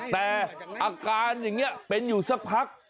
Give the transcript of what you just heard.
แต่อาการอย่างนี้เป็นอยู่สักพัก